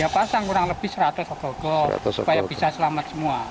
pasang kurang lebih seratus ogo ogo supaya bisa selamat semua